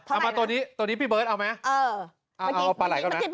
เอามาตัวนี้ตัวนี้พี่เบิร์ตเอาไหมเอาปลาไหลก่อนไหม